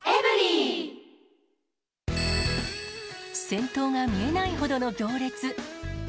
先頭が見えないほどの行列。